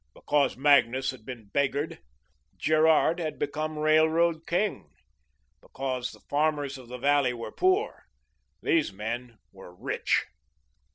Because Magnus had been beggared, Gerard had become Railroad King; because the farmers of the valley were poor, these men were rich.